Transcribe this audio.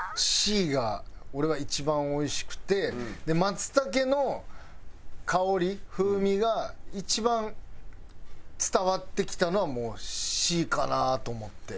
Ｃが俺は一番おいしくて松茸の香り風味が一番伝わってきたのはもうＣかなと思って。